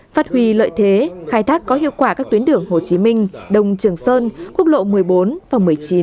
phát huy lợi thế khai thác có hiệu quả các tuyến đường hồ chí minh đông trường sơn quốc lộ một mươi bốn và một mươi chín